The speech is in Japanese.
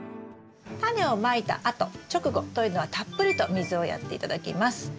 タネをまいたあと直後というのはたっぷりと水をやって頂きます。